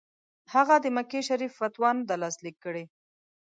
هغه د مکې شریف فتوا نه ده لاسلیک کړې.